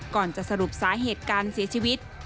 ก่อนจะสรุปสาเหตุการเสียชีวิต